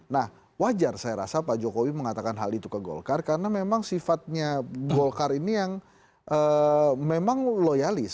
nah wajar saya rasa pak jokowi mengatakan hal itu ke golkar karena memang sifatnya golkar ini yang memang loyalis